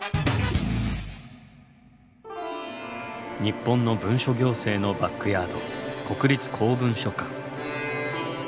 日本の文書行政のバックヤード国立公文書館。